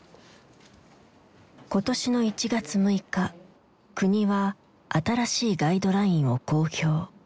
今年の１月６日国は新しいガイドラインを公表。